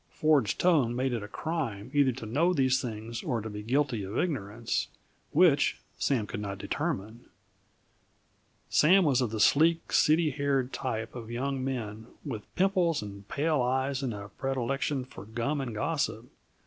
Ford's tone made it a crime either to know these things or to be guilty of ignorance; which, Sam could not determine. Sam was of the sleek, oily haired type of young men, with pimples and pale eyes and a predilection for gum and gossip.